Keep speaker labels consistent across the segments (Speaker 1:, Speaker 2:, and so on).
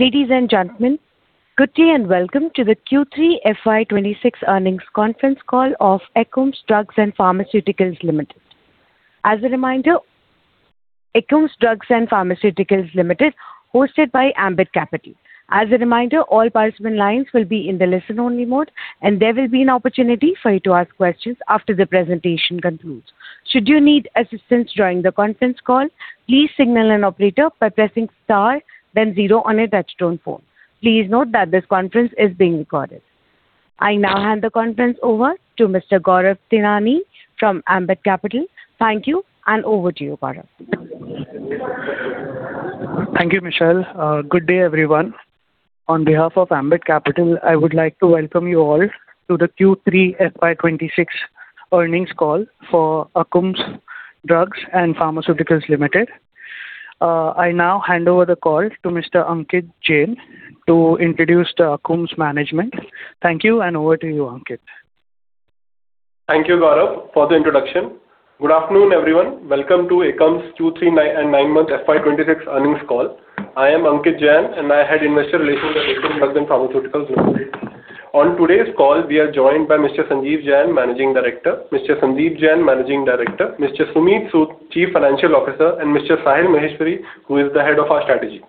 Speaker 1: Ladies and gentlemen, good day, and welcome to the Q3 FY26 earnings conference call of Akums Drugs and Pharmaceuticals Limited. As a reminder, Akums Drugs and Pharmaceuticals Limited hosted by Ambit Capital. As a reminder, all participant lines will be in the listen-only mode, and there will be an opportunity for you to ask questions after the presentation concludes. Should you need assistance during the conference call, please signal an operator by pressing star then zero on a touch-tone phone. Please note that this conference is being recorded. I now hand the conference over to Mr. Gaurav Tinani from Ambit Capital. Thank you, and over to you, Gaurav.
Speaker 2: Thank you, Michelle. Good day, everyone. On behalf of Ambit Capital, I would like to welcome you all to the Q3 FY26 earnings call for Akums Drugs and Pharmaceuticals Limited. I now hand over the call to Mr. Ankit Jain to introduce the Akums management. Thank you, and over to you, Ankit.
Speaker 3: Thank you, Gaurav, for the introduction. Good afternoon, everyone. Welcome to Akums Q3 and nine-month FY 2026 earnings call. I am Ankit Jain, and I head Investor Relations at Akums Drugs and Pharmaceuticals Limited. On today's call, we are joined by Mr. Sandeep Jain, Managing Director, Mr. Sandeep Jain, Managing Director, Mr. Sumeet Sood, Chief Financial Officer, and Mr. Sahil Maheshwari, who is the Head of our Strategy.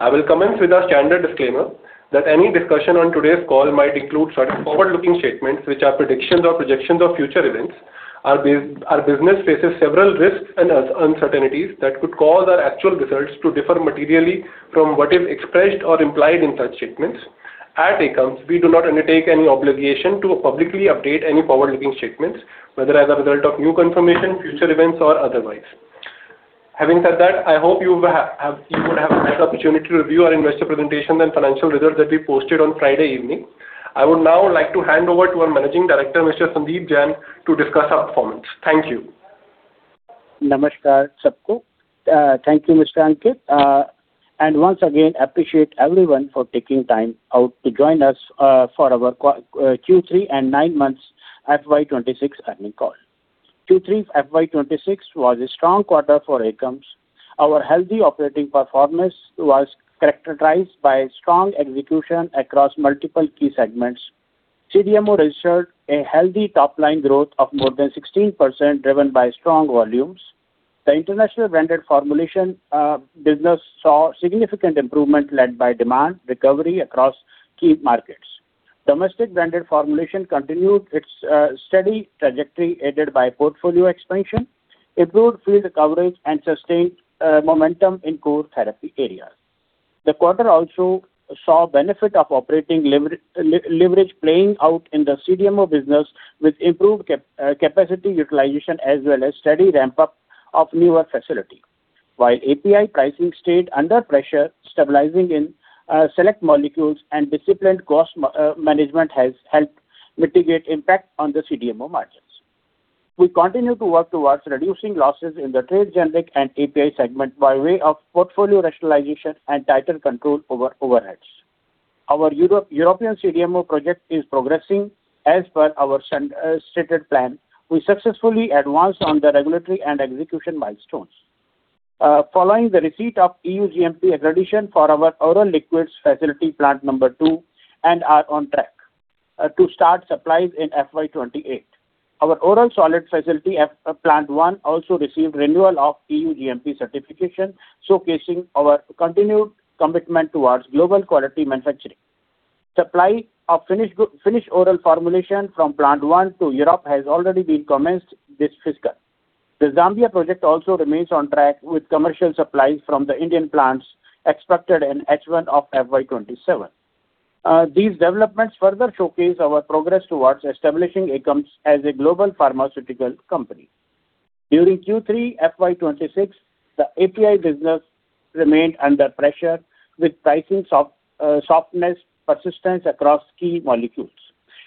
Speaker 3: I will commence with our standard disclaimer, that any discussion on today's call might include certain forward-looking statements, which are predictions or projections of future events. Our business faces several risks and uncertainties that could cause our actual results to differ materially from what is expressed or implied in such statements. At Akums, we do not undertake any obligation to publicly update any forward-looking statements, whether as a result of new confirmation, future events, or otherwise. Having said that, I hope you have had the opportunity to review our investor presentation and financial results that we posted on Friday evening. I would now like to hand over to our Managing Director, Mr. Sandeep Jain, to discuss our performance. Thank you.
Speaker 4: Namaskar, Sabko. Thank you, Mr. Ankit. And once again, appreciate everyone for taking time out to join us, for our Q3 and 9 months FY 2026 earnings call. Q3 FY 2026 was a strong quarter for Akums. Our healthy operating performance was characterized by strong execution across multiple key segments. CDMO registered a healthy top-line growth of more than 16%, driven by strong volumes. The international branded formulation business saw significant improvement led by demand recovery across key markets. Domestic branded formulation continued its steady trajectory, aided by portfolio expansion, improved field coverage, and sustained momentum in core therapy areas. The quarter also saw benefit of operating leverage playing out in the CDMO business, with improved capacity utilization as well as steady ramp-up of newer facility. While API pricing stayed under pressure, stabilizing in select molecules and disciplined cost management has helped mitigate impact on the CDMO margins. We continue to work towards reducing losses in the trade generic and API segment by way of portfolio rationalization and tighter control over overheads. Our European CDMO project is progressing as per our stated plan. We successfully advanced on the regulatory and execution milestones. Following the receipt of EU GMP accreditation for our oral liquids facility, Plant number 2, and are on track to start supplies in FY 2028. Our oral solid facility, Plant 1, also received renewal of EU GMP certification, showcasing our continued commitment towards global quality manufacturing. Supply of finished oral formulation from Plant 1 to Europe has already been commenced this fiscal. The Zambia project also remains on track, with commercial supplies from the Indian plants expected in H1 of FY 2027. These developments further showcase our progress towards establishing Akums as a global pharmaceutical company. During Q3 FY 2026, the API business remained under pressure, with pricing softness persistence across key molecules.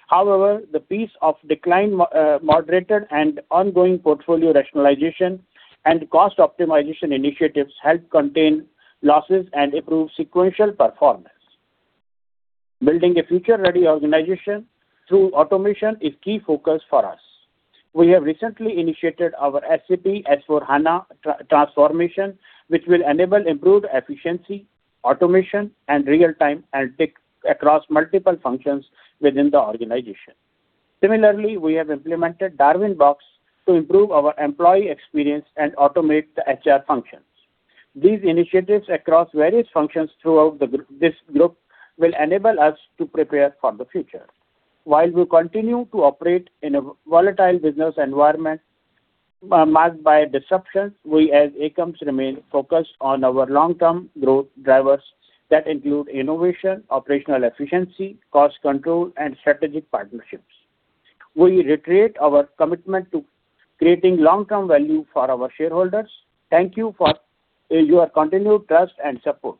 Speaker 4: However, the pace of decline moderated and ongoing portfolio rationalization and cost optimization initiatives helped contain losses and improve sequential performance. Building a future-ready organization through automation is key focus for us. We have recently initiated our SAP S/4HANA transformation, which will enable improved efficiency, automation, and real-time analytics across multiple functions within the organization. Similarly, we have implemented Darwinbox to improve our employee experience and automate the HR functions. These initiatives across various functions throughout this group will enable us to prepare for the future. While we continue to operate in a volatile business environment, marked by disruptions, we, as Akums, remain focused on our long-term growth drivers that include innovation, operational efficiency, cost control, and strategic partnerships. We reiterate our commitment to creating long-term value for our shareholders. Thank you for your continued trust and support.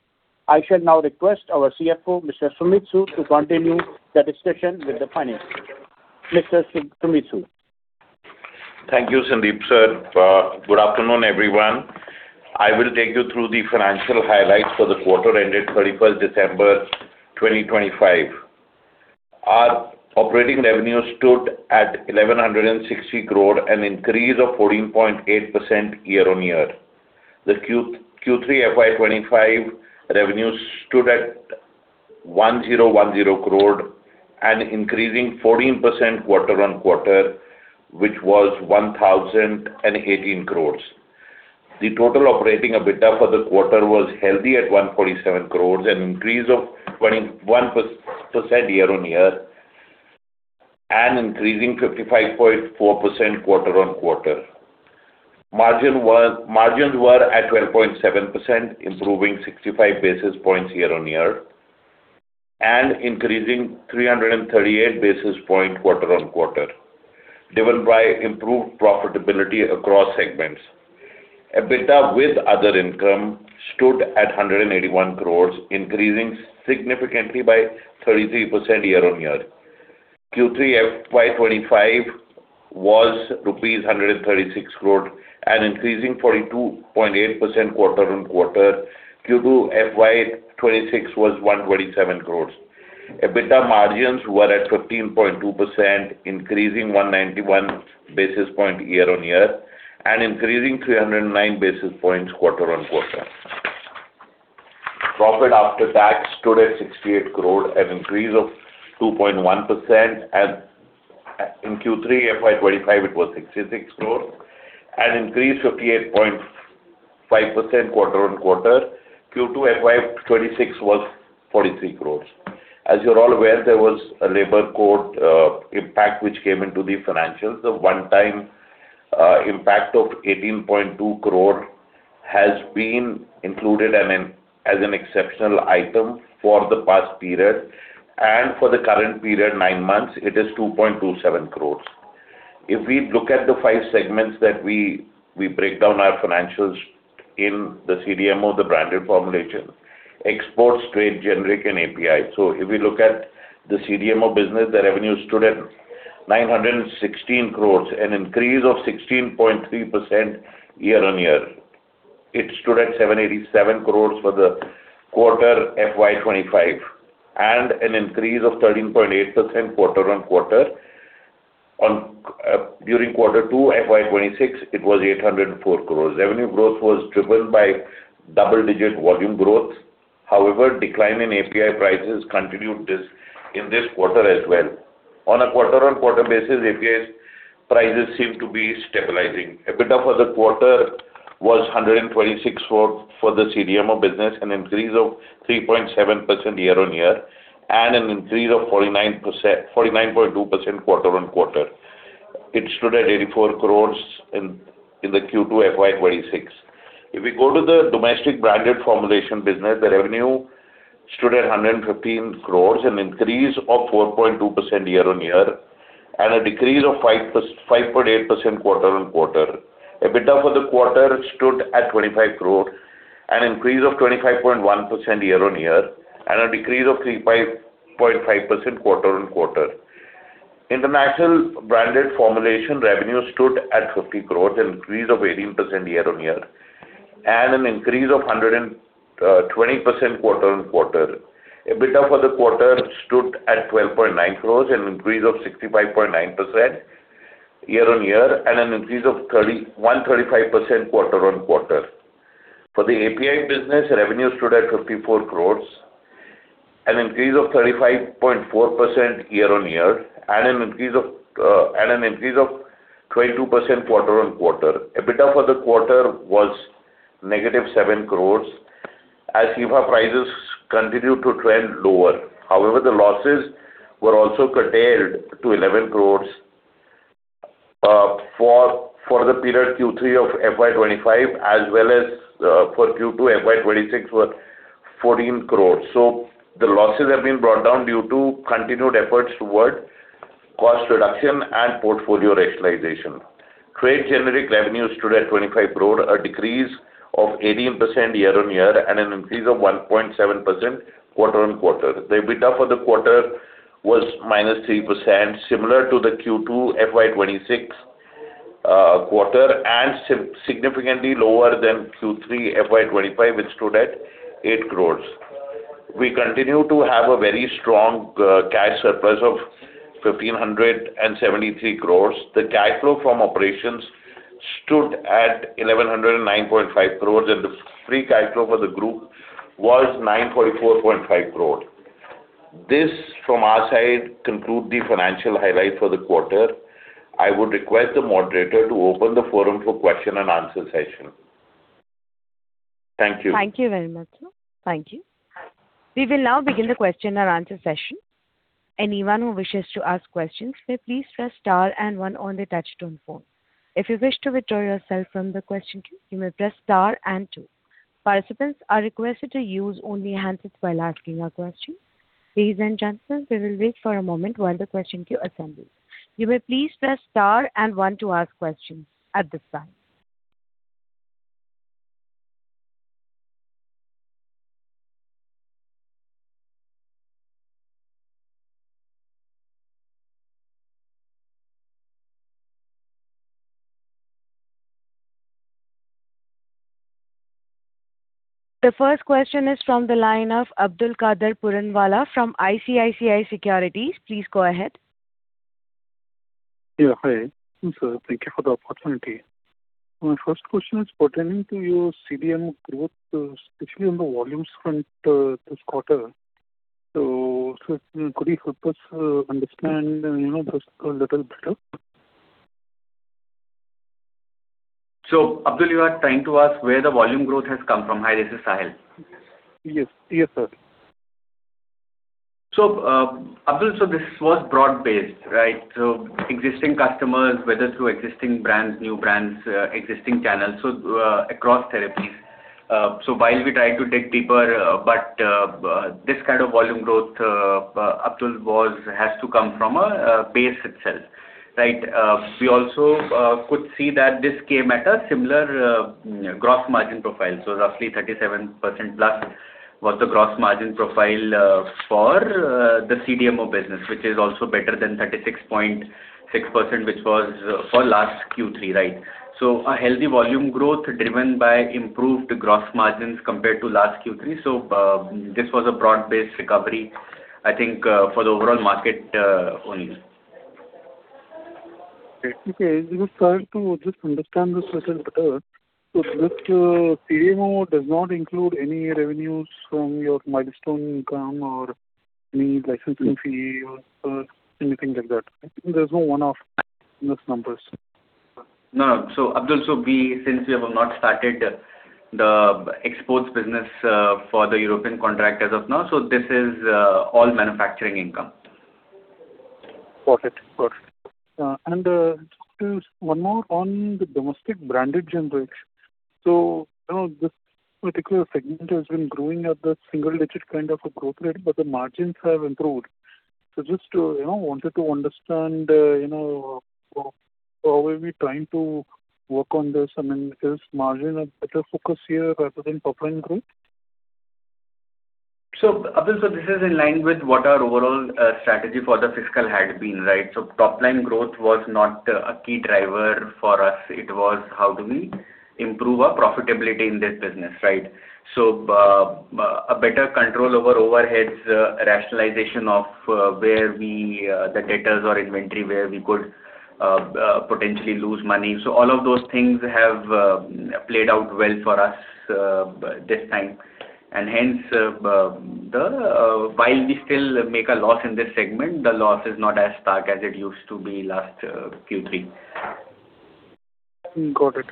Speaker 4: I shall now request our CFO, Mr. Sumeet Sood, to continue the discussion with the finances. Mr. Sumeet Sood.
Speaker 5: Thank you, Sandeep, sir. Good afternoon, everyone. I will take you through the financial highlights for the quarter ended 31st December 2025. Our operating revenue stood at 1,160 crore, an increase of 14.8% year-on-year. The Q3 FY 2025 revenue stood at 1,010 crore, and increasing 14% quarter-on-quarter, which was 1,018 crores. The total operating EBITDA for the quarter was healthy at 147 crores, an increase of 21% year-on-year, and increasing 55.4% quarter-on-quarter. Margins were at 12.7%, improving 65 basis points year-on-year, and increasing 338 basis points quarter-on-quarter, driven by improved profitability across segments. EBITDA with other income stood at 181 crores, increasing significantly by 33% year-on-year. Q3 FY25 was INR 136 crore, increasing 42.8% quarter-on-quarter. Q2 FY26 was 127 crore. EBITDA margins were at 15.2%, increasing 191 basis points year-on-year, and increasing 309 basis points quarter-on-quarter. Profit after tax stood at 68 crore, an increase of 2.1%, and in Q3 FY25, it was 66 crore, and increased 58.5% quarter-on-quarter. Q2 FY26 was 43 crore. As you're all aware, there was a labor code impact which came into the financials. The one-time impact of 18.2 crore has been included in, as an exceptional item for the past period, and for the current period, nine months, it is 2.27 crore. If we look at the five segments that we break down our financials in the CDMO, the branded formulation, exports, trade, generic, and API. So if we look at the CDMO business, the revenue stood at 916 crore, an increase of 16.3% year-on-year. It stood at 787 crore for the quarter FY 2025, and an increase of 13.8% quarter-on-quarter. On, during quarter 2, FY 2026, it was 804 crore. Revenue growth was driven by double-digit volume growth. However, decline in API prices continued this, in this quarter as well. On a quarter-on-quarter basis, API prices seem to be stabilizing. EBITDA for the quarter was 126 crore for the CDMO business, an increase of 3.7% year-on-year, and an increase of 49%, 49.2% quarter-on-quarter. It stood at 84 crore in Q2 FY 2026. If we go to the domestic branded formulation business, the revenue stood at 115 crore, an increase of 4.2% year-on-year, and a decrease of 5.8% quarter-on-quarter. EBITDA for the quarter stood at 25 crore, an increase of 25.1% year-on-year, and a decrease of 3.5% quarter-on-quarter. International branded formulation revenue stood at 50 crore, an increase of 18% year-on-year, and an increase of 120% quarter-on-quarter. EBITDA for the quarter stood at 12.9 crore, an increase of 65.9% year-on-year, and an increase of 35% quarter-on-quarter. For the API business, revenue stood at 54 crore, an increase of 35.4% year-on-year, and an increase of 22% quarter-on-quarter. EBITDA for the quarter was -7 crore as Cepha prices continued to trend lower. However, the losses were also curtailed to 11 crore for the period Q3 of FY 2025, as well as for Q2 FY 2026 were 14 crore. So the losses have been brought down due to continued efforts toward cost reduction and portfolio rationalization. Trade generics revenue stood at 25 crore, a decrease of 18% year-on-year, and an increase of 1.7% quarter-on-quarter. The EBITDA for the quarter was -3%, similar to the Q2 FY 2026 quarter, and significantly lower than Q3 FY 2025, which stood at 8 crore. We continue to have a very strong cash surplus of 1,573 crore. The cash flow from operations stood at 1,109.5 crore, and the free cash flow for the group was 904.5 crore. This, from our side, conclude the financial highlight for the quarter. I would request the moderator to open the forum for question and answer session. Thank you.
Speaker 1: Thank you very much, sir. Thank you. We will now begin the question and answer session. Anyone who wishes to ask questions, may please press star and one on the touchtone phone. If you wish to withdraw yourself from the question queue, you may press star and two. Participants are requested to use only handsets while asking a question. Ladies and gentlemen, we will wait for a moment while the question queue assembles. You may please press star and one to ask questions at this time.... The first question is from the line of Abdulkader Puranwala from ICICI Securities. Please go ahead.
Speaker 6: Yeah, hi. Thank you for the opportunity. My first question is pertaining to your CDMO growth, especially on the volume front, this quarter. So, could you help us understand, you know, this a little better?
Speaker 7: So Abdul, you are trying to ask where the volume growth has come from? Hi, this is Sahil.
Speaker 6: Yes. Yes, sir.
Speaker 7: So, Abdul, so this was broad-based, right? So existing customers, whether through existing brands, new brands, existing channels, so, across therapies. So while we try to dig deeper, but, this kind of volume growth, Abdul, was, has to come from a base itself, right? We also could see that this came at a similar gross margin profile. So roughly 37%+ was the gross margin profile for the CDMO business, which is also better than 36.6%, which was for last Q3, right? So a healthy volume growth driven by improved gross margins compared to last Q3. So this was a broad-based recovery, I think, for the overall market, only.
Speaker 6: Okay. We were trying to just understand this a little better. So this, CDMO does not include any revenues from your milestone income or any licensing fee or anything like that. There's no one-off in those numbers?
Speaker 7: No, no. So Abdul, so since we have not started the exports business for the European contract as of now, so this is all manufacturing income.
Speaker 6: Got it. Got it. And just one more on the domestic branded formulations. So, you know, this particular segment has been growing at the single-digit kind of a growth rate, but the margins have improved. So just to, you know, wanted to understand, you know, how are we trying to work on this? I mean, is margin a better focus here rather than top-line growth?
Speaker 7: So Abdul, so this is in line with what our overall strategy for the fiscal had been, right? So top-line growth was not a key driver for us. It was how do we improve our profitability in this business, right? So a better control over overheads, rationalization of the debtors or inventory where we could potentially lose money. So all of those things have played out well for us this time. And hence, while we still make a loss in this segment, the loss is not as stark as it used to be last Q3.
Speaker 6: Got it.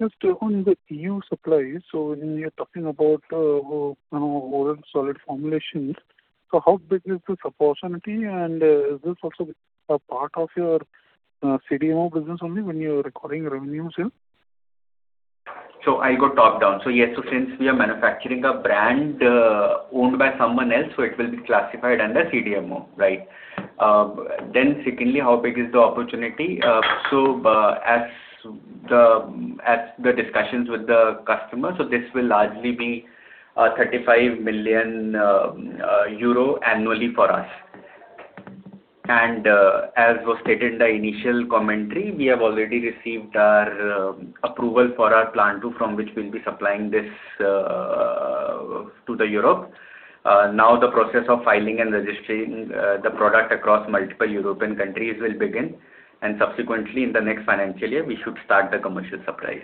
Speaker 6: Just on the EU supplies, so when you're talking about, you know, oral solid formulations, so how big is this opportunity? Is this also a part of your CDMO business only when you're recording revenues here?
Speaker 7: So I'll go top down. So yes, so since we are manufacturing a brand owned by someone else, so it will be classified under CDMO, right? Then secondly, how big is the opportunity? So, as the discussions with the customer, so this will largely be 35 million euro annually for us. And, as was stated in the initial commentary, we have already received our approval for our Plant 2, from which we'll be supplying this to Europe. Now, the process of filing and registering the product across multiple European countries will begin, and subsequently, in the next financial year, we should start the commercial supplies.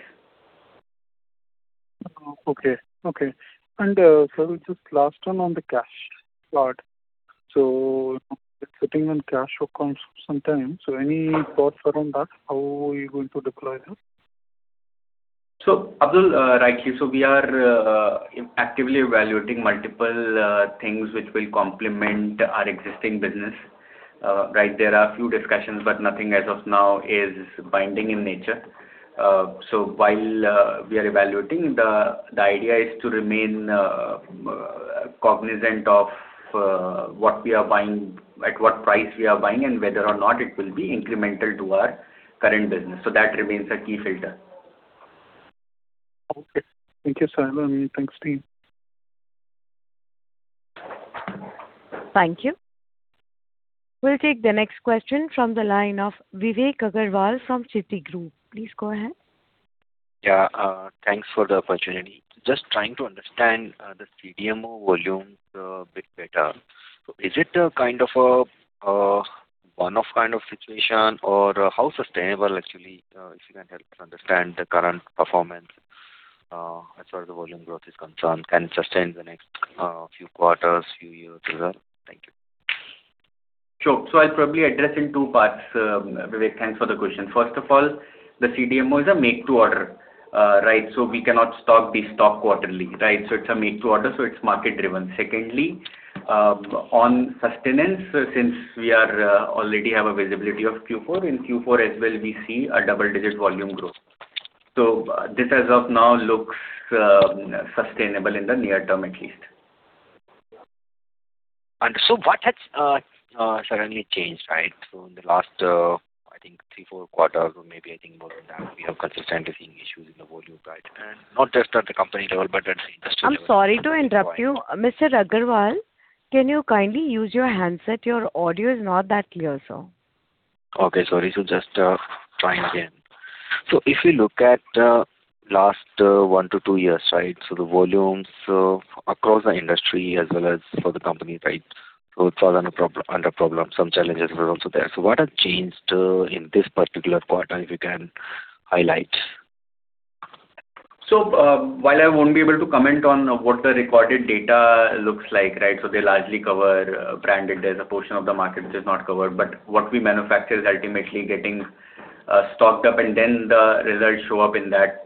Speaker 6: Okay. Okay. And, so just last one on the cash part. So sitting on cash accounts for some time. So any thoughts around that? How are you going to deploy this?
Speaker 7: So, Abdul, rightly, so we are actively evaluating multiple things which will complement our existing business. Right there are a few discussions, but nothing as of now is binding in nature. So while we are evaluating, the idea is to remain cognizant of what we are buying, at what price we are buying, and whether or not it will be incremental to our current business. So that remains a key filter.
Speaker 6: Okay. Thank you, sir. Thanks, team.
Speaker 1: Thank you. We'll take the next question from the line of Vivek Agrawal from Citigroup. Please go ahead.
Speaker 8: Yeah, thanks for the opportunity. Just trying to understand, the CDMO volumes, a bit better. So is it a kind of a, one-off kind of situation, or how sustainable, actually, if you can help us understand the current performance, as far as the volume growth is concerned, can it sustain the next, few quarters, few years as well? Thank you.
Speaker 7: Sure. So I'll probably address in two parts, Vivek, thanks for the question. First of all, the CDMO is a make-to-order, right? So we cannot stock the stock quarterly, right? So it's a make to order, so it's market-driven. Secondly, on sustenance, since we are already have a visibility of Q4, in Q4 as well, we see a double-digit volume growth. So this, as of now, looks sustainable in the near term, at least.
Speaker 8: So what has suddenly changed, right? In the last, I think three, four quarters, or maybe I think more than that, we have consistently seeing issues in the volume, right? Not just at the company level, but at the industry level.
Speaker 1: I'm sorry to interrupt you. Mr. Agrawal, can you kindly use your handset? Your audio is not that clear, sir....
Speaker 8: Okay, sorry. So just trying again. So if you look at last 1-2 years, right? So the volumes across the industry as well as for the company, right, so it was under problem, some challenges were also there. So what has changed in this particular quarter, if you can highlight?
Speaker 7: So, while I won't be able to comment on what the recorded data looks like, right? So they largely cover branded. There's a portion of the market which is not covered, but what we manufacture is ultimately getting stocked up, and then the results show up in that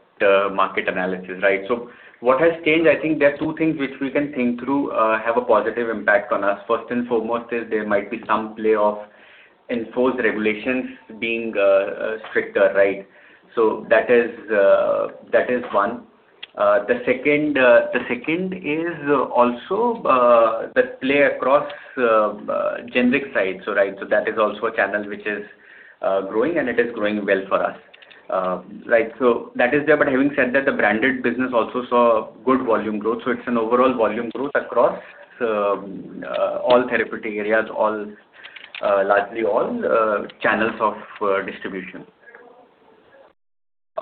Speaker 7: market analysis, right? So what has changed, I think there are two things which we can think through have a positive impact on us. First and foremost, is there might be some play off enforced regulations being stricter, right? So that is, that is one. The second, the second is also the play across generic side. So, right. So that is also a channel which is growing, and it is growing well for us. Right. So that is there. But having said that, the branded business also saw good volume growth, so it's an overall volume growth across all therapeutic areas, largely all channels of distribution.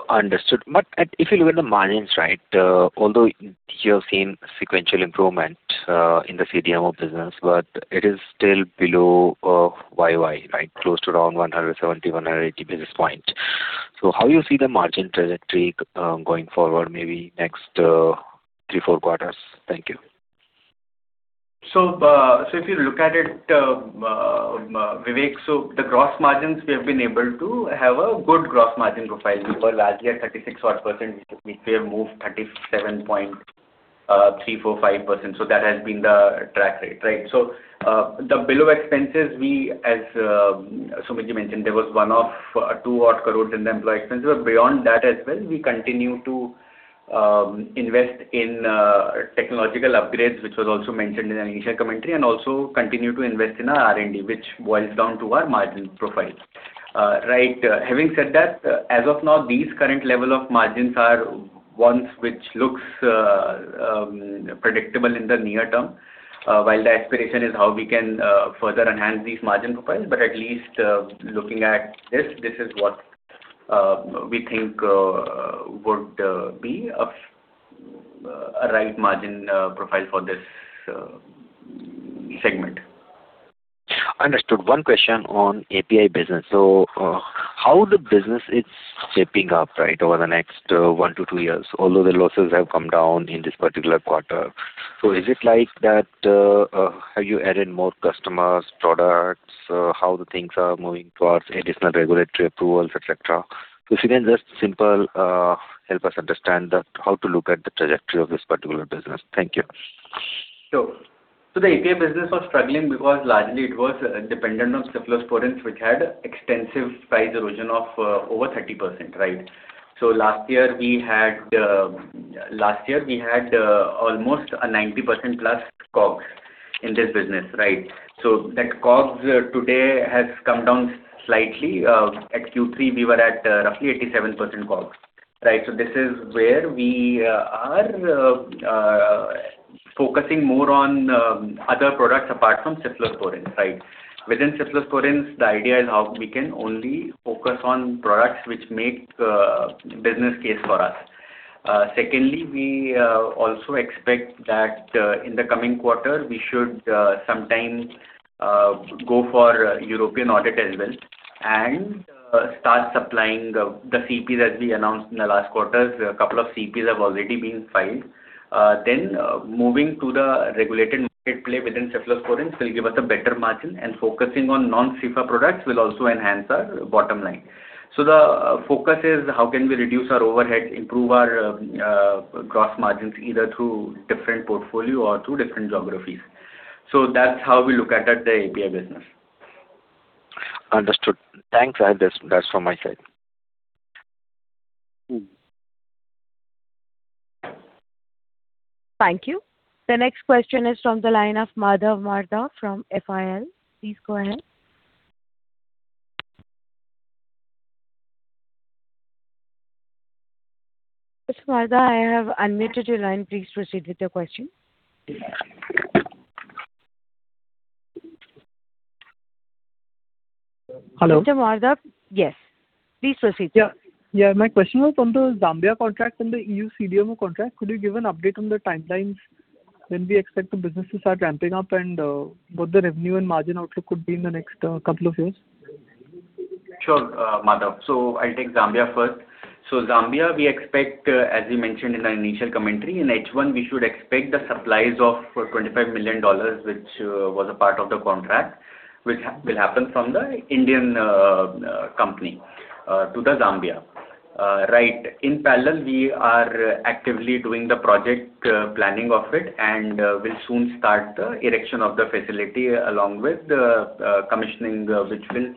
Speaker 8: Understood. But if you look at the margins, right, although you have seen sequential improvement in the CDMO business, but it is still below YoY, right? Close to around 170-180 basis points. So how you see the margin trajectory going forward, maybe next 3-4 quarters? Thank you.
Speaker 7: So, so if you look at it, Vivek, so the gross margins, we have been able to have a good gross margin profile. We were largely at 36 odd percent, we have moved 37.345%. So that has been the track rate, right? So, the below expenses, we as Sumeet ji mentioned, there was one-off, two odd crores in the employee expenses, but beyond that as well, we continue to invest in technological upgrades, which was also mentioned in an initial commentary, and also continue to invest in our R&D, which boils down to our margin profile. Right. Having said that, as of now, these current level of margins are ones which looks predictable in the near term, while the aspiration is how we can further enhance these margin profile. But at least, looking at this, this is what we think would be a right margin profile for this segment.
Speaker 8: Understood. One question on API business. So, how the business is shaping up, right, over the next 1-2 years, although the losses have come down in this particular quarter. So is it like that, have you added more customers, products? How the things are moving towards additional regulatory approvals, et cetera? If you can just simple help us understand how to look at the trajectory of this particular business. Thank you.
Speaker 7: So, so the API business was struggling because largely it was dependent on cephalosporins, which had extensive price erosion of over 30%, right? So last year we had almost a 90%+ COGS in this business, right? So that COGS today has come down slightly. At Q3, we were at roughly 87% COGS, right? So this is where we are focusing more on other products apart from cephalosporins, right? Within cephalosporins, the idea is how we can only focus on products which make business case for us. Secondly, we also expect that in the coming quarter, we should sometime go for European audit as well, and start supplying the CPs that we announced in the last quarters. A couple of CPs have already been filed. Then, moving to the regulated market play within cephalosporins will give us a better margin, and focusing on non-CFDA products will also enhance our bottom line. So the focus is: How can we reduce our overhead, improve our gross margins, either through different portfolio or through different geographies? So that's how we look at the API business.
Speaker 8: Understood. Thanks, that's from my side.
Speaker 1: Thank you. The next question is from the line of Madhav Marda from FIL. Please go ahead. Mr. Marda, I have unmuted your line. Please proceed with your question.
Speaker 9: Hello?
Speaker 1: Mr. Marda? Yes, please proceed.
Speaker 9: Yeah. Yeah, my question was on the Zambia contract and the EU CDMO contract. Could you give an update on the timelines, when we expect the business to start ramping up and what the revenue and margin outlook could be in the next couple of years?
Speaker 7: Sure, Madhav. So I'll take Zambia first. So Zambia, we expect, as we mentioned in our initial commentary, in H1, we should expect the supplies of $25 million, which was a part of the contract, which will happen from the Indian company to the Zambia. Right. In parallel, we are actively doing the project planning of it, and we'll soon start the erection of the facility, along with the commissioning, which will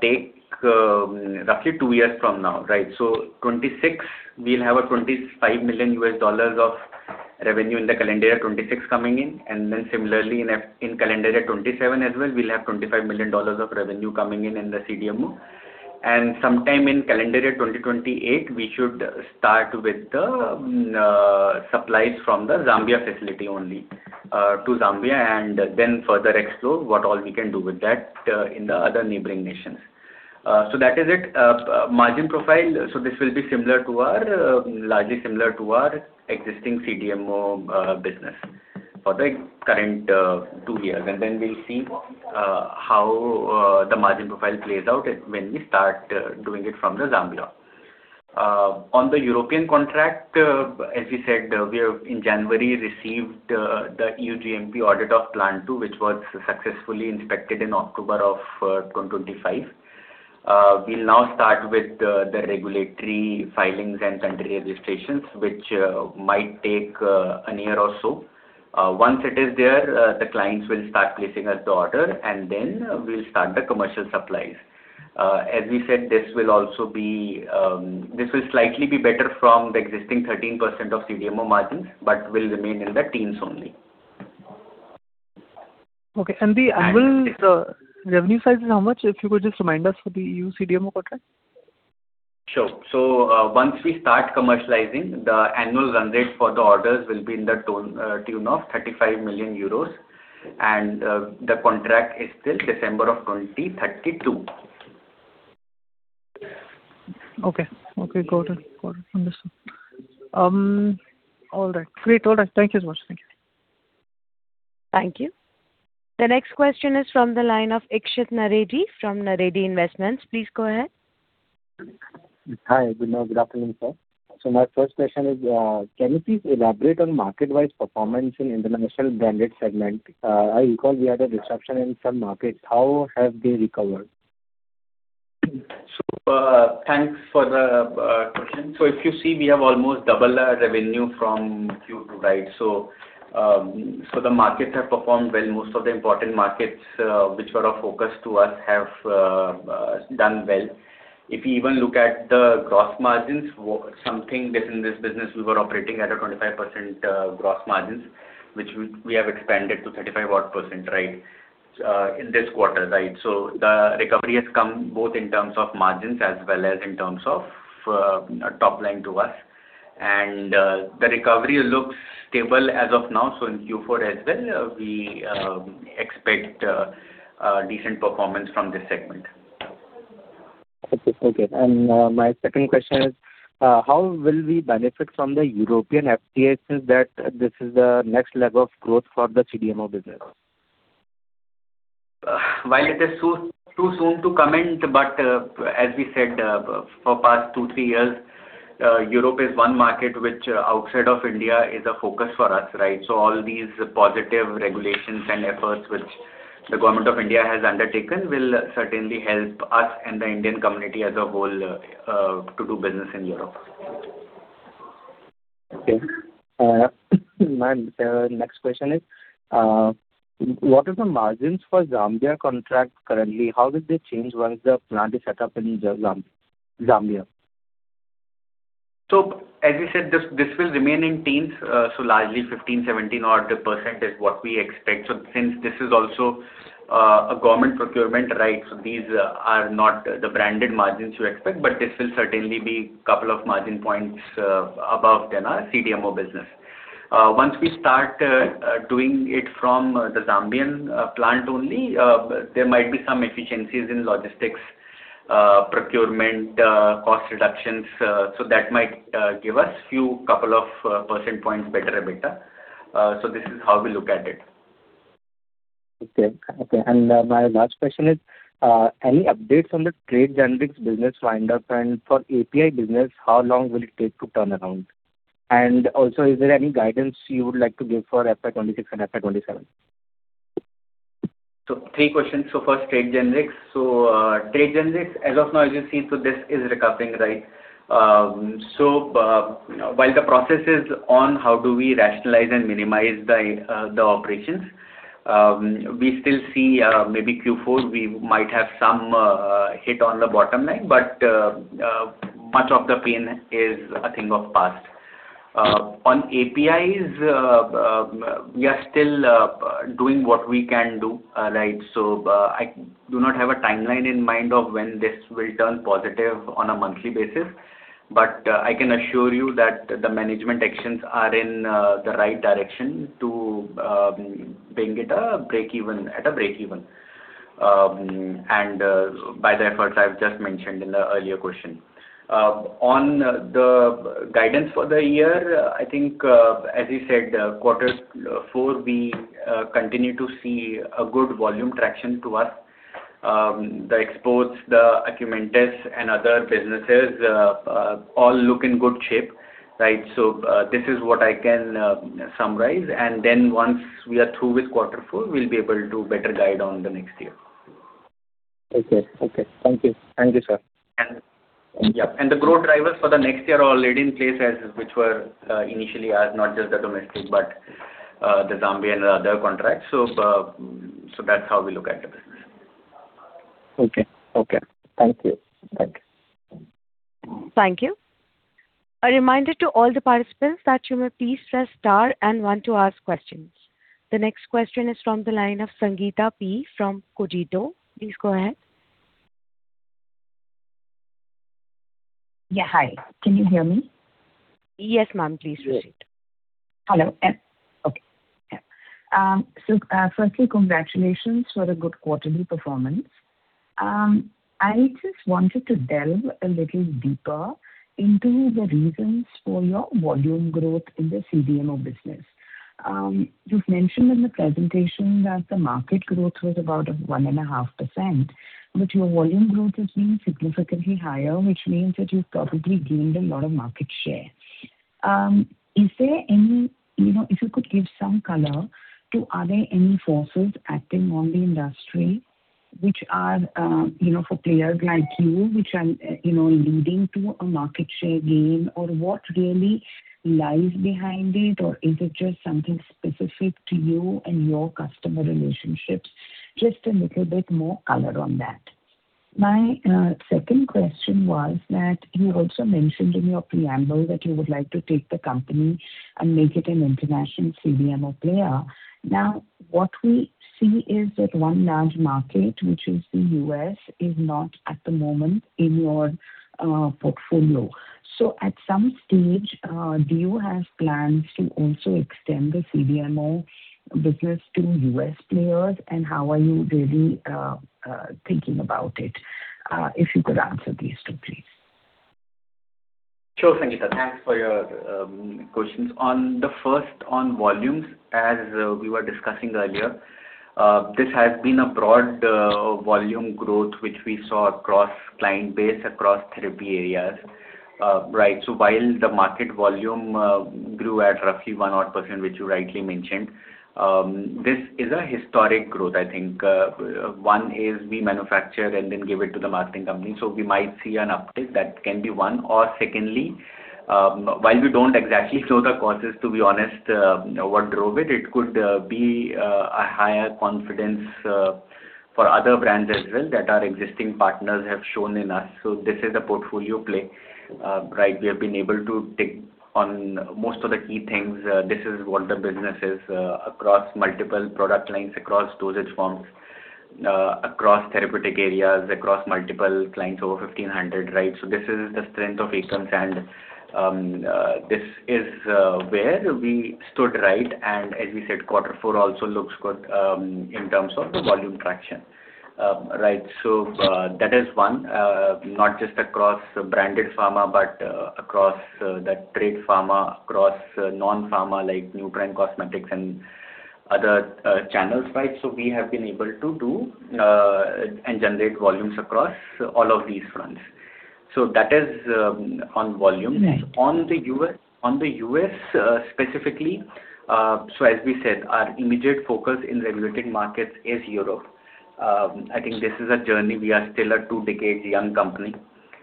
Speaker 7: take roughly two years from now, right? So 2026, we'll have $25 million of revenue in the calendar year 2026 coming in, and then similarly, in calendar year 2027 as well, we'll have $25 million of revenue coming in in the CDMO.... Sometime in calendar year 2028, we should start with the supplies from the Zambia facility only to Zambia, and then further explore what all we can do with that in the other neighboring nations. So that is it. Margin profile, so this will be similar to our, largely similar to our existing CDMO business for the current two years. And then we'll see how the margin profile plays out when we start doing it from the Zambia. On the European contract, as you said, we have, in January, received the EU GMP audit of Plant 2, which was successfully inspected in October of 2025. We'll now start with the regulatory filings and country registrations, which might take a year or so. Once it is there, the clients will start placing us the order, and then we'll start the commercial supplies. As we said, this will also be, this will slightly be better from the existing 13% of CDMO margins, but will remain in the teens only.
Speaker 9: Okay. The annual revenue size is how much? If you could just remind us for the EU CDMO contract.
Speaker 7: Sure. So, once we start commercializing, the annual run rate for the orders will be in the tune of 35 million euros, and the contract is till December of 2032.
Speaker 9: Okay. Okay, got it. Got it. Understood. All right. Great. All right. Thank you so much. Thank you.
Speaker 1: Thank you. The next question is from the line of Ikshit Naredi from Naredi Investments. Please go ahead.
Speaker 10: Hi. Good morning, good afternoon, sir. My first question is, can you please elaborate on market-wide performance in international branded segment? I recall we had a disruption in some markets. How have they recovered?
Speaker 7: So, thanks for the question. So if you see, we have almost doubled our revenue from Q2, right? So the markets have performed well. Most of the important markets, which were of focus to us, have done well. If you even look at the gross margins, in this business, we were operating at a 25% gross margins, which we, we have expanded to 35-odd percent, right, in this quarter, right? So the recovery has come both in terms of margins as well as in terms of top line to us. And the recovery looks stable as of now, so in Q4 as well, we expect a decent performance from this segment.
Speaker 10: Okay, okay. And, my second question is, how will we benefit from the European FDFs, that this is the next leg of growth for the CDMO business?
Speaker 7: While it is too soon to comment, but as we said, for past two, three years, Europe is one market which outside of India is a focus for us, right? So all these positive regulations and efforts which the Government of India has undertaken will certainly help us and the Indian community as a whole, to do business in Europe.
Speaker 10: Okay. My next question is, what are the margins for Zambia contract currently? How will they change once the plant is set up in Zambia?
Speaker 7: So, as we said, this will remain in teens, so largely 15, 17 odd percent is what we expect. So since this is also a government procurement, right, so these are not the branded margins you expect, but this will certainly be couple of margin points above than our CDMO business. Once we start doing it from the Zambian plant only, there might be some efficiencies in logistics, procurement, cost reductions, so that might give us few couple of percent points better, a better. So this is how we look at it.
Speaker 10: Okay. Okay, and, my last question is, any updates on the trade generics business wind up? And for API business, how long will it take to turn around? And also, is there any guidance you would like to give for FY 2026 and FY 2027?
Speaker 7: Three questions. First, trade generics. Trade generics, as of now, as you see, this is recovering, right? While the process is on, how do we rationalize and minimize the operations? We still see, maybe Q4, we might have some hit on the bottom line, but much of the pain is a thing of past. On APIs, we are still doing what we can do, right? I do not have a timeline in mind of when this will turn positive on a monthly basis, but I can assure you that the management actions are in the right direction to bring it a breakeven, at a breakeven. And by the efforts I've just mentioned in the earlier question. On the guidance for the year, I think, as you said, quarter four, we continue to see a good volume traction to us. The exports, the Akumentis and other businesses, all look in good shape, right? So, this is what I can summarize, and then once we are through with quarter four, we'll be able to better guide on the next year.
Speaker 10: Okay. Okay. Thank you. Thank you, sir.
Speaker 7: And, yeah, and the growth drivers for the next year are already in place as which were, initially as not just the domestic, but, the Zambian and other contracts. So, so that's how we look at the business.
Speaker 10: Okay. Okay. Thank you. Thank you....
Speaker 1: Thank you. A reminder to all the participants that you may please press star and one to ask questions. The next question is from the line of Sangeeta P from Cogito. Please go ahead.
Speaker 11: Yeah, hi. Can you hear me?
Speaker 1: Yes, ma'am, please proceed.
Speaker 11: Hello? Okay. So, firstly, congratulations for a good quarterly performance. I just wanted to delve a little deeper into the reasons for your volume growth in the CDMO business. You've mentioned in the presentation that the market growth was about 1.5%, but your volume growth has been significantly higher, which means that you've probably gained a lot of market share. Is there any... You know, if you could give some color to, are there any forces acting on the industry which are, you know, for players like you, which are, you know, leading to a market share gain? Or what really lies behind it, or is it just something specific to you and your customer relationships? Just a little bit more color on that. My second question was that you also mentioned in your preamble that you would like to take the company and make it an international CDMO player. Now, what we see is that one large market, which is the U.S., is not at the moment in your portfolio. So at some stage, do you have plans to also extend the CDMO business to U.S. players, and how are you really thinking about it? If you could answer these two, please.
Speaker 7: Sure, Sangeeta. Thanks for your questions. On the first, on volumes, as we were discussing earlier, this has been a broad, volume growth, which we saw across client base, across therapy areas. Right. So while the market volume grew at roughly one odd percent, which you rightly mentioned, this is a historic growth, I think. One is we manufacture and then give it to the marketing company, so we might see an uptick. That can be one. Or secondly, while we don't exactly know the causes, to be honest, what drove it, it could be a higher confidence for other brands as well, that our existing partners have shown in us. So this is a portfolio play. Right, we have been able to tick on most of the key things. This is what the business is across multiple product lines, across dosage forms, across therapeutic areas, across multiple clients, over 1,500, right? So this is the strength of Akums, and this is where we stood, right? And as we said, quarter four also looks good in terms of the volume traction. Right. So that is one, not just across branded pharma, but across the trade pharma, across non-pharma, like nutra and cosmetics and other channels, right? So we have been able to do and generate volumes across all of these fronts. So that is on volumes.
Speaker 11: Right.
Speaker 7: On the U.S., specifically, so as we said, our immediate focus in regulated markets is Europe. I think this is a journey. We are still a two-decade young company,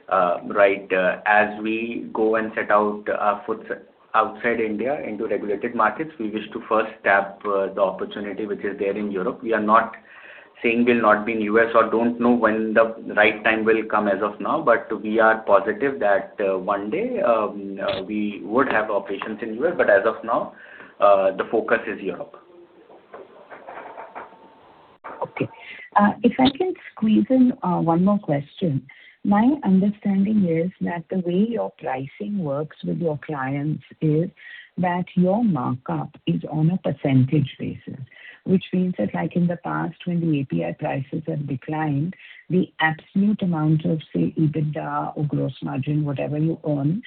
Speaker 7: right? As we go and set out our foot outside India into regulated markets, we wish to first tap the opportunity which is there in Europe. We are not saying we'll not be in U.S. or don't know when the right time will come as of now, but we are positive that one day we would have operations in U.S. But as of now, the focus is Europe.
Speaker 11: Okay. If I can squeeze in one more question. My understanding is that the way your pricing works with your clients is, that your markup is on a percentage basis, which means that, like in the past, when the API prices have declined, the absolute amount of, say, EBITDA or gross margin, whatever you earn,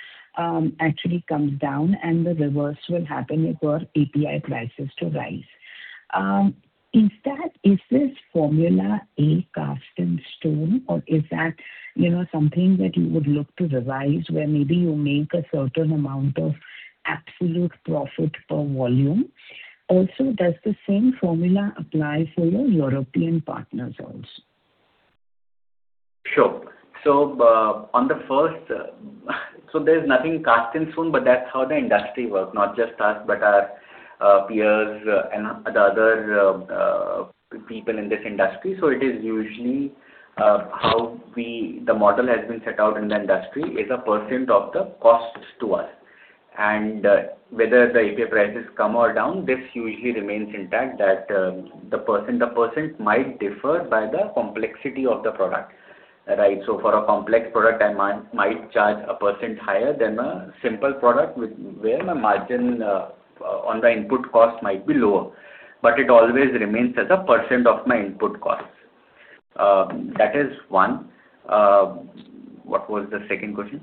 Speaker 11: actually comes down, and the reverse will happen if your API prices to rise. Is that, is this formula a cast in stone, or is that, you know, something that you would look to revise where maybe you make a certain amount of absolute profit per volume? Also, does the same formula apply for your European partners also?
Speaker 7: Sure. So, on the first, so there's nothing cast in stone, but that's how the industry works. Not just us, but our, peers and the other, people in this industry. So it is usually, how we... The model has been set out in the industry, is a percent of the costs to us. And whether the API prices come or down, this usually remains intact, that, the percent, the percent might differ by the complexity of the product, right? So for a complex product, I might, might charge a percent higher than a simple product, with- where my margin, on the input cost might be lower, but it always remains as a percent of my input costs. That is one. What was the second question?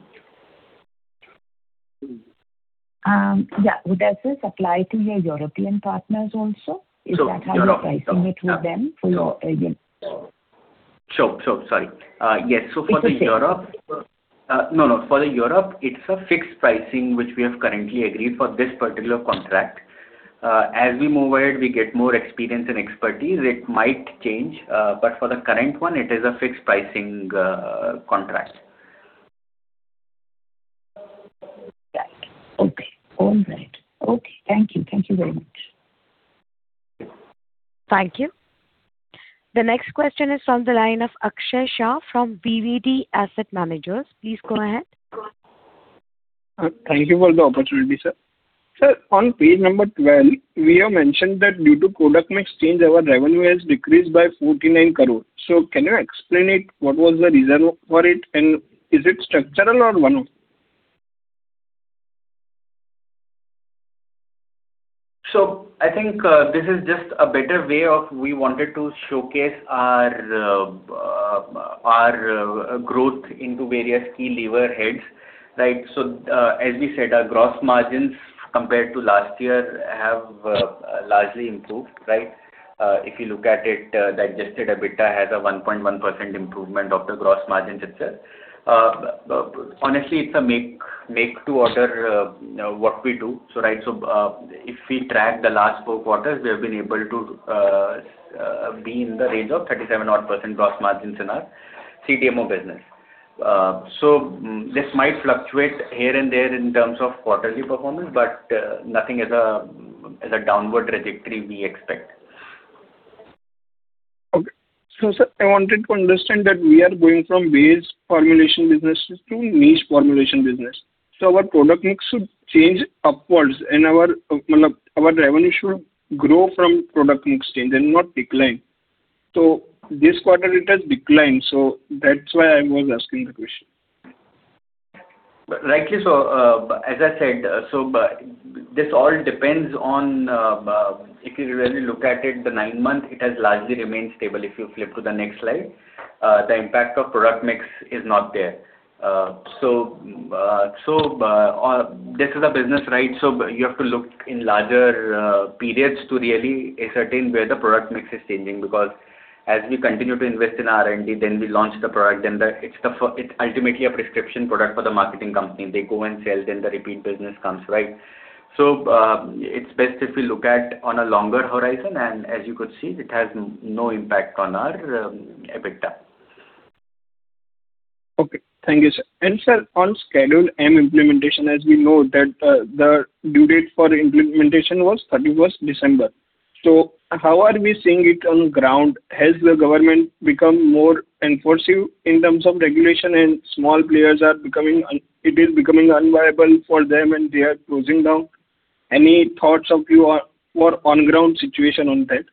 Speaker 11: Yeah. Does this apply to your European partners also?
Speaker 7: So, Europe-
Speaker 11: Is that how you're pricing it with them? For your, yeah.
Speaker 7: Sure, sure. Sorry. Yes.
Speaker 11: It's okay.
Speaker 7: So for the Europe, it's a fixed pricing, which we have currently agreed for this particular contract. As we move ahead, we get more experience and expertise, it might change, but for the current one, it is a fixed pricing contract....
Speaker 11: All right. Okay, thank you. Thank you very much.
Speaker 1: Thank you. The next question is from the line of Akshay Shah from VVD Asset Managers. Please go ahead.
Speaker 12: Thank you for the opportunity, sir. Sir, on page number 12, we have mentioned that due to product mix change, our revenue has decreased by 49 crore. So can you explain it? What was the reason for it, and is it structural or one-off?
Speaker 7: So I think, this is just a better way of we wanted to showcase our, our, growth into various key lever heads, right? So, as we said, our gross margins compared to last year have, largely improved, right? If you look at it, the adjusted EBITDA has a 1.1% improvement of the gross margins itself. Honestly, it's a make to order, what we do. So, right, so, if we track the last 4 quarters, we have been able to, be in the range of 37-odd percent gross margins in our CDMO business. So this might fluctuate here and there in terms of quarterly performance, but, nothing as a downward trajectory we expect.
Speaker 12: Okay. So, sir, I wanted to understand that we are going from base formulation businesses to niche formulation business. So our product mix should change upwards and our, our revenue should grow from product mix change and not decline. So this quarter it has declined, so that's why I was asking the question.
Speaker 7: Rightly so, as I said, so, this all depends on, if you really look at it, the nine months, it has largely remained stable. If you flip to the next slide, the impact of product mix is not there. So, this is a business, right? So you have to look in larger, periods to really ascertain where the product mix is changing. Because as we continue to invest in R&D, then we launch the product, then it's ultimately a prescription product for the marketing company. They go and sell, then the repeat business comes, right? So, it's best if we look at on a longer horizon, and as you could see, it has no impact on our, EBITDA.
Speaker 12: Okay, thank you, sir. And, sir, on Schedule M implementation, as we know that, the due date for implementation was thirty-first December. So how are we seeing it on ground? Has the government become more enforcing in terms of regulation and small players are becoming unviable for them and they are closing down? Any thoughts of you or on ground situation on that?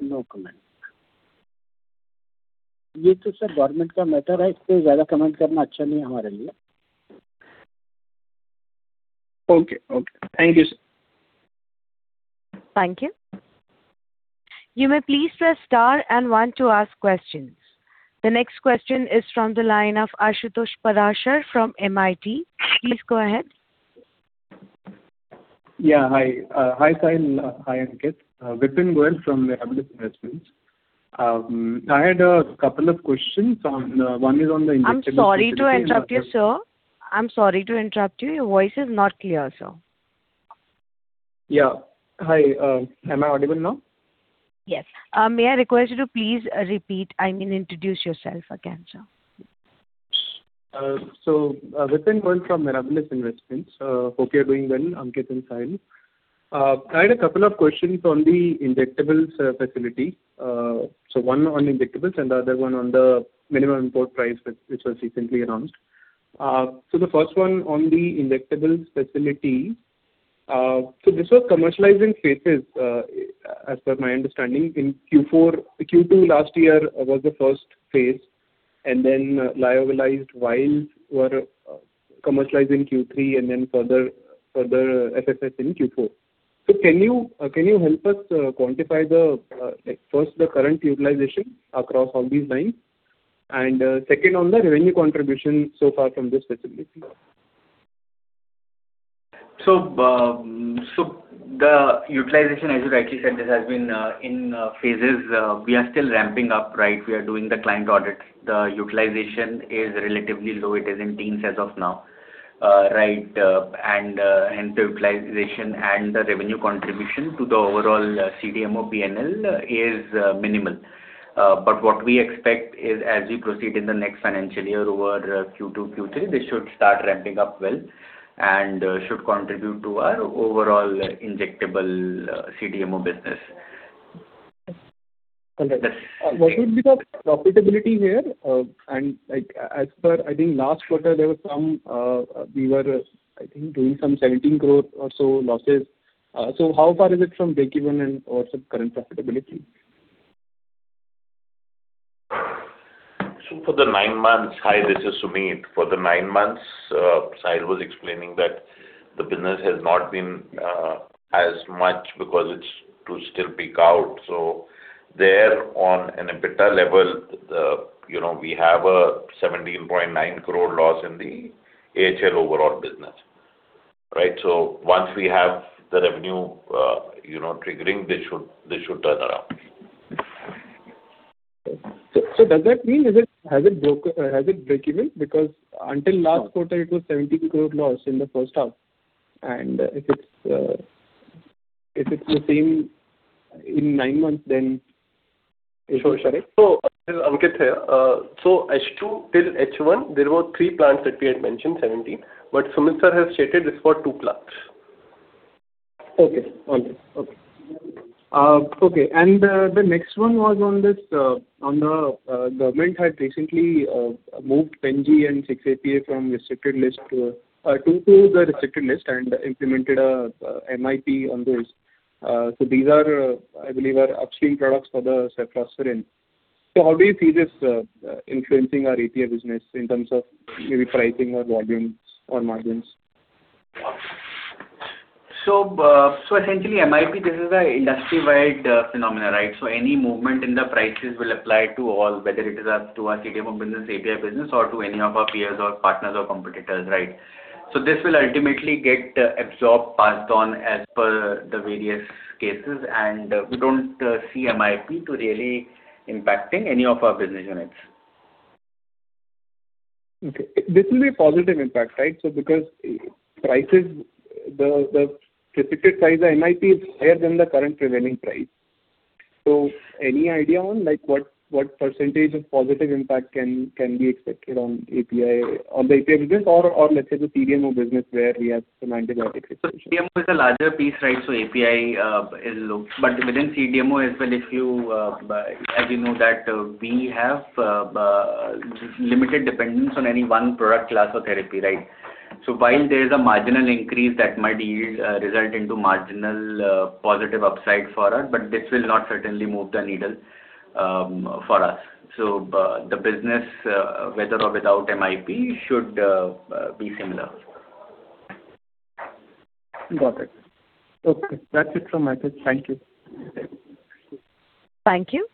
Speaker 4: No comment. Yeah, so sir, government matter, comment.
Speaker 12: Okay. Okay. Thank you, sir.
Speaker 1: Thank you. You may please press star and one to ask questions. The next question is from the line of Ashutosh Parashar from MIT. Please go ahead.
Speaker 13: Yeah, hi. Hi, Sahil. Hi, Ankit. Vipin Goel from Mirabilis Investments. I had a couple of questions on... one is on the-
Speaker 1: I'm sorry to interrupt you, sir. I'm sorry to interrupt you. Your voice is not clear, sir.
Speaker 13: Yeah. Hi, am I audible now?
Speaker 1: Yes. May I request you to please, repeat, I mean, introduce yourself again, sir.
Speaker 13: So, Vipin Goel from Mirabilis Investments. Hope you're doing well, Ankit and Sahil. I had a couple of questions on the injectables facility. So one on injectables and the other one on the minimum import price, which was recently announced. So the first one on the injectables facility. So this was commercialized in phases, as per my understanding, in Q4... Q2 last year was the first phase, and then lyophilized vials were commercialized in Q3 and then further PFS in Q4. So can you can you help us quantify the, like, first, the current utilization across all these lines? And second, on the revenue contribution so far from this facility.
Speaker 7: So, the utilization, as you rightly said, this has been in phases. We are still ramping up, right? We are doing the client audit. The utilization is relatively low. It is in teens as of now, right, and the utilization and the revenue contribution to the overall CDMO P&L is minimal. But what we expect is as we proceed in the next financial year over Q2, Q3, this should start ramping up well and should contribute to our overall injectable CDMO business.
Speaker 13: Okay. What would be the profitability here? And like, as per, I think, last quarter, there was some, we were, I think, doing some 17 crore or so losses. So how far is it from breakeven and/or some current profitability?
Speaker 5: So for the nine months... Hi, this is Sumeet. For the nine months, Sahil was explaining that the business has not been as much because it's to still peak out. So there on an EBITDA level, you know, we have a 17.9 crore loss in the AHL overall business, right? So once we have the revenue, you know, triggering, this should, this should turn around.
Speaker 13: So does that mean, has it broke, has it breakeven? Because until last quarter, it was 17 crore loss in the first half. And if it's,... If it's the same in nine months, then sure, correct?
Speaker 3: This is Ankit here. So H2 till H1, there were three plants that we had mentioned, 17. But Sumeet, sir, has stated this for two plants.
Speaker 13: Okay. Got it. Okay. Okay, and the next one was on this, on the government had recently moved Pen G and 6-APA from restricted list to, to the restricted list and implemented a MIP on those. So these are, I believe, are upstream products for the ceftriaxone. So how do you see this influencing our API business in terms of maybe pricing or volumes or margins?
Speaker 7: So, so essentially, MIP, this is an industry-wide, phenomena, right? So any movement in the prices will apply to all, whether it is up to our CDMO business, API business, or to any of our peers or partners or competitors, right? So this will ultimately get absorbed, passed on as per the various cases, and we don't see MIP to really impacting any of our business units.
Speaker 13: Okay. This will be a positive impact, right? So because prices, the specific price, the MIP is higher than the current prevailing price. So any idea on like, what percentage of positive impact can be expected on API, on the API business or let's say the CDMO business where we have antibiotic situation?
Speaker 7: CDMO is a larger piece, right? So API is low. But within CDMO as well, if you, as you know that we have, limited dependence on any one product class or therapy, right? So while there is a marginal increase that might yield, result into marginal, positive upside for us, but this will not certainly move the needle, for us. So the business, whether or without MIP, should, be similar.
Speaker 13: Got it. Okay. That's it from my side. Thank you.
Speaker 1: Thank you.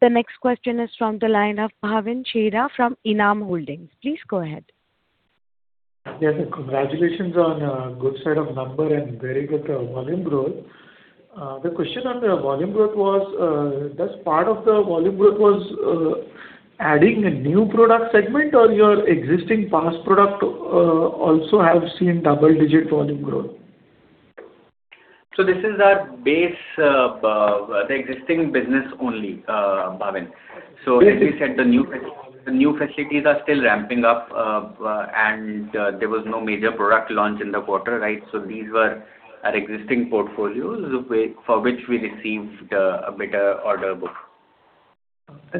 Speaker 1: The next question is from the line of Bhavin Chheda from ENAM Holdings. Please go ahead.
Speaker 14: Yes, sir. Congratulations on a good set of number and very good volume growth. The question on the volume growth was, does part of the volume growth was adding a new product segment or your existing past product also have seen double-digit volume growth?
Speaker 7: This is our base, the existing business only, Bhavin.
Speaker 14: Great.
Speaker 7: So as we said, the new facilities are still ramping up, and there was no major product launch in the quarter, right? So these were our existing portfolios, for which we received a better order book.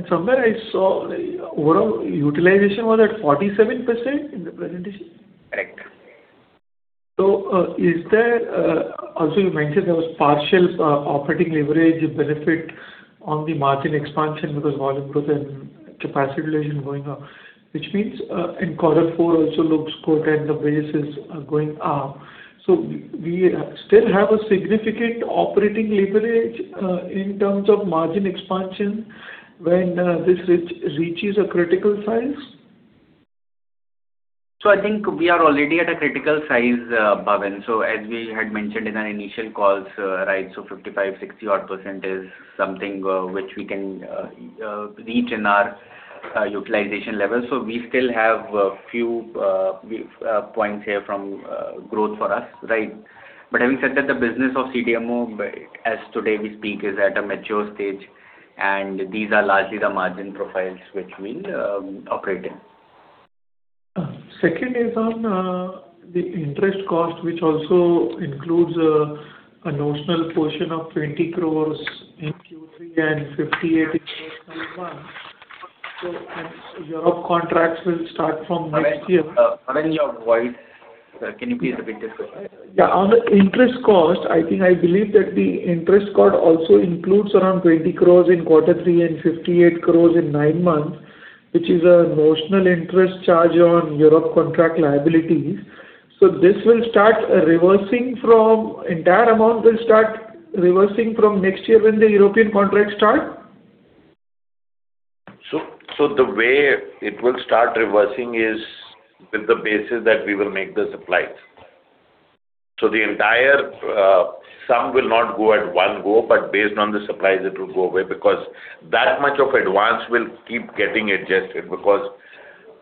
Speaker 14: Somewhere I saw overall utilization was at 47% in the presentation?
Speaker 7: Correct.
Speaker 14: So, is there... Also, you mentioned there was partial operating leverage benefit on the margin expansion because volume growth and capacity utilization going up, which means, in quarter four also looks good and the base is going up. So we, we still have a significant operating leverage in terms of margin expansion when this reach, reaches a critical size?
Speaker 7: So I think we are already at a critical size, Bhavin. So as we had mentioned in our initial calls, right, so 55, 60-odd percent is something which we can reach in our utilization level. So we still have a few points here from growth for us, right? But having said that, the business of CDMO, as today we speak, is at a mature stage, and these are largely the margin profiles which we operate in.
Speaker 14: Second is on the interest cost, which also includes a notional portion of 20 crore in Q3 and 58.1. So, Europe contracts will start from next year.
Speaker 3: Bhavin, you have wide. Can you please repeat this?
Speaker 14: Yeah, on the interest cost, I think I believe that the interest cost also includes around 20 crore in quarter three and 58 crore in nine months, which is a notional interest charge on Europe contract liabilities. So this will start reversing from the entire amount will start reversing from next year when the European contracts start?
Speaker 3: So, the way it will start reversing is with the basis that we will make the supplies. So the entire sum will not go at one go, but based on the supplies, it will go away, because that much of advance will keep getting adjusted, because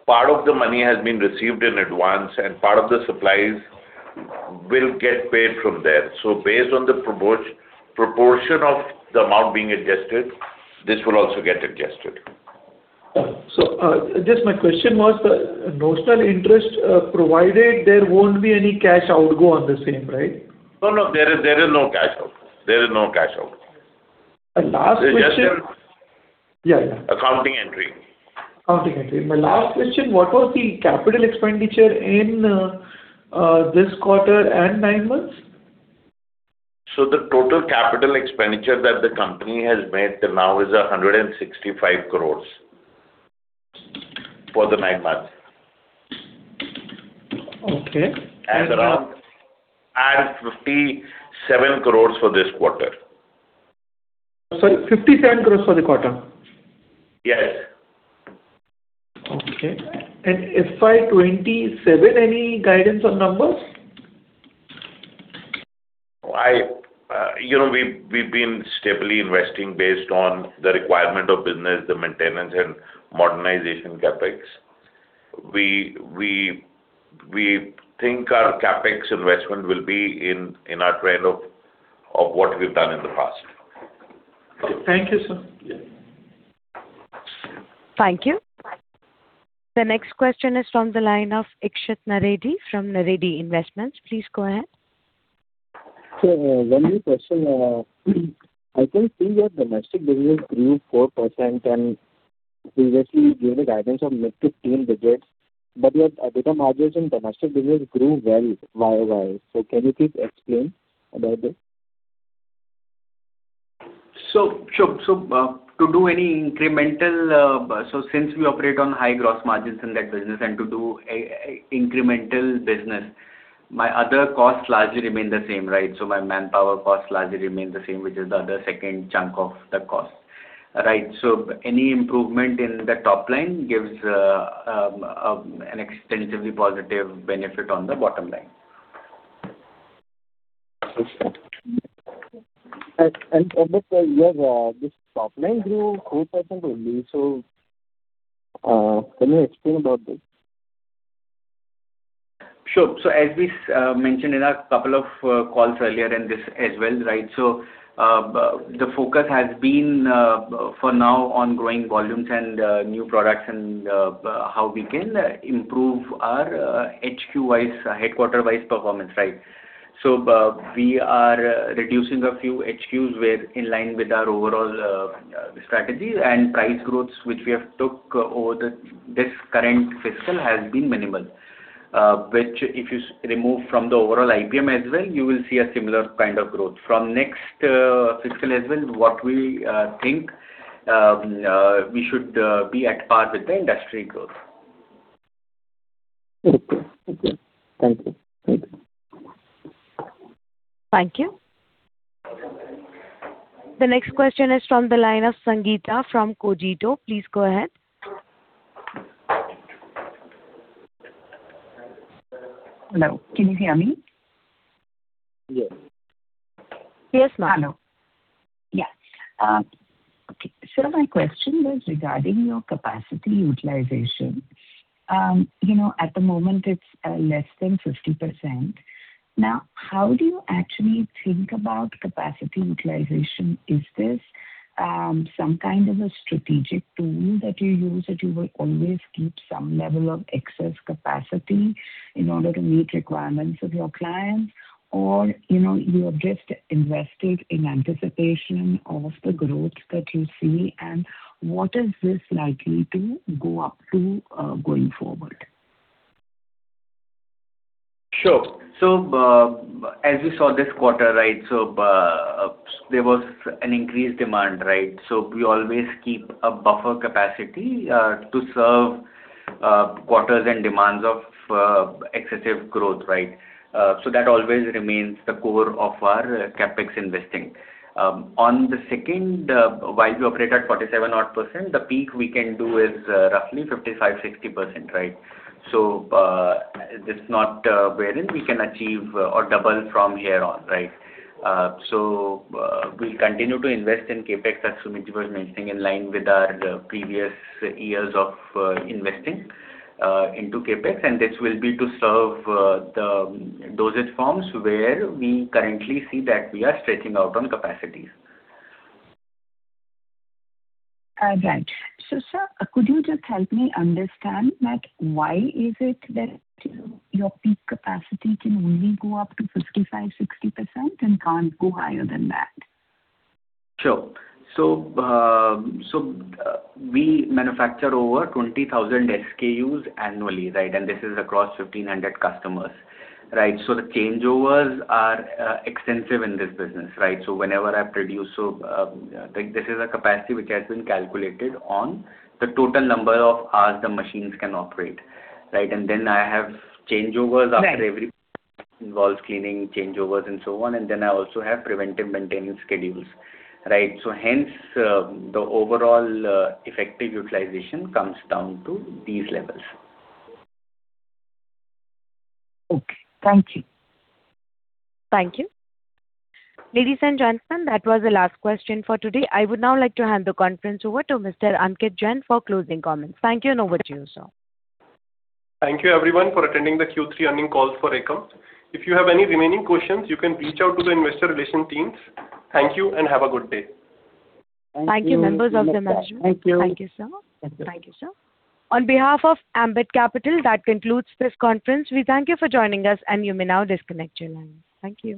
Speaker 3: part of the money has been received in advance and part of the supplies will get paid from there. So based on the proportion of the amount being adjusted, this will also get adjusted.
Speaker 14: So, just my question was the notional interest, provided there won't be any cash outgo on the same, right?
Speaker 3: No, no, there is, there is no cash out. There is no cash out.
Speaker 14: Last question-
Speaker 3: It's just an-
Speaker 14: Yeah, yeah.
Speaker 3: Accounting entry.
Speaker 14: Accounting entry. My last question: What was the capital expenditure in this quarter and nine months?
Speaker 7: The total capital expenditure that the company has made till now is 165 crore for the nine months.
Speaker 14: Okay.
Speaker 7: Around 57 crore for this quarter.
Speaker 14: Sorry, 57 crore for the quarter?
Speaker 3: Yes.
Speaker 14: Okay. FY 2027, any guidance on numbers?
Speaker 7: I, you know, we've been steadily investing based on the requirement of business, the maintenance and modernization CapEx.... We think our CapEx investment will be in our trend of what we've done in the past.
Speaker 14: Thank you, sir.
Speaker 1: Thank you. The next question is from the line of Ikshit Naredi, from Naredi Investments. Please go ahead.
Speaker 10: Sir, one more question. I can see your domestic business grew 4%, and previously you gave the guidance of mid to teen digits, but your EBITDA margins in domestic business grew well year-over-year. So can you please explain about this?
Speaker 7: So, sure. So, to do any incremental... So since we operate on high gross margins in that business, and to do a incremental business, my other costs largely remain the same, right? So my manpower costs largely remain the same, which is the other second chunk of the cost. Right. So any improvement in the top line gives an extensively positive benefit on the bottom line.
Speaker 10: Okay. And, sir, your this top line grew 4% only, so can you explain about this?
Speaker 7: Sure. So as we mentioned in a couple of calls earlier, and this as well, right? So, the focus has been, for now on growing volumes and new products and how we can improve our HQ-wise, headquarter-wise performance, right? So, we are reducing a few HQs, where in line with our overall strategy, and price growth, which we have took over this current fiscal, has been minimal. Which if you remove from the overall IPM as well, you will see a similar kind of growth. From next fiscal as well, what we think, we should be at par with the industry growth.
Speaker 10: Okay. Thank you.
Speaker 1: Thank you. The next question is from the line of Sangeeta from Cogito. Please go ahead.
Speaker 11: Hello, can you hear me?
Speaker 7: Yes.
Speaker 1: Yes, ma'am.
Speaker 11: Hello. Yeah. Okay. Sir, my question was regarding your capacity utilization. You know, at the moment, it's less than 50%. Now, how do you actually think about capacity utilization? Is this some kind of a strategic tool that you use, that you will always keep some level of excess capacity in order to meet requirements of your clients? Or, you know, you have just invested in anticipation of the growth that you see, and what is this likely to go up to, going forward?
Speaker 7: Sure. So, as you saw this quarter, right, so, there was an increased demand, right? So we always keep a buffer capacity to serve quarters and demands of excessive growth, right? So that always remains the core of our CapEx investing. On the second, while we operate at 47-odd percent, the peak we can do is roughly 55%-60%, right? So, it's not wherein we can achieve or double from here on, right? So, we'll continue to invest in CapEx, as Sumeet was mentioning, in line with our previous years of investing into CapEx, and this will be to serve the dosage forms where we currently see that we are stretching out on capacities.
Speaker 11: Right. So, sir, could you just help me understand, like, why is it that your peak capacity can only go up to 55%-60% and can't go higher than that?
Speaker 7: Sure. So, we manufacture over 20,000 SKUs annually, right? And this is across 1,500 customers, right? So the changeovers are extensive in this business, right? So whenever I produce, like, this is a capacity which has been calculated on the total number of hours the machines can operate, right? And then I have changeovers after every-
Speaker 11: Right.
Speaker 7: Involves cleaning, changeovers, and so on. Then I also have preventive maintenance schedules, right? Hence, the overall effective utilization comes down to these levels.
Speaker 11: Okay. Thank you.
Speaker 1: Thank you. Ladies and gentlemen, that was the last question for today. I would now like to hand the conference over to Mr. Ankit Jain for closing comments. Thank you, and over to you, sir.
Speaker 3: Thank you, everyone, for attending the Q3 earnings call for Akums. If you have any remaining questions, you can reach out to the investor relations team. Thank you, and have a good day.
Speaker 1: Thank you. Thank you, members of the management. Thank you, sir. On behalf of Ambit Capital, that concludes this conference. We thank you for joining us, and you may now disconnect your lines. Thank you.